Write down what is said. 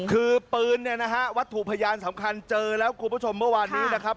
คือปืนเนี่ยนะฮะวัตถุพยานสำคัญเจอแล้วคุณผู้ชมเมื่อวานนี้นะครับ